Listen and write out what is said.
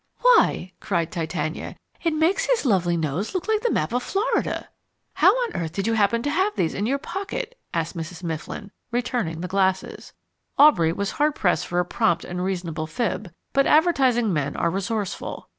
"Why," cried Titania, "it makes his lovely nose look like the map of Florida." "How on earth did you happen to have these in your pocket?" asked Mrs. Mifflin, returning the glasses. Aubrey was hard pressed for a prompt and reasonable fib, but advertising men are resourceful.